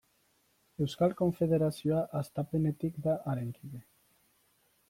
Euskal Konfederazioa hastapenetik da haren kide.